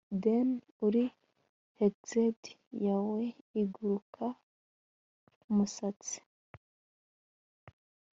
Den uri hexead yawe iguruka umusatsi